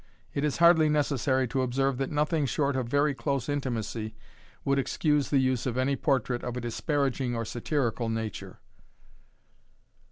It is hardly necessary to observe that nothing short of very close intimacy would excuse the use of any portrait of a disparaging or satirical nature.